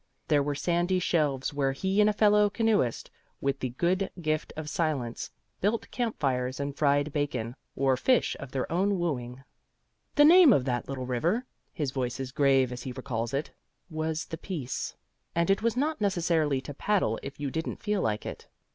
There were sandy shelves where he and a fellow canoeist with the good gift of silence built campfires and fried bacon, or fish of their own wooing. The name of that little river (his voice is grave as he recalls it), was the Peace; and it was not necessary to paddle if you didn't feel like it.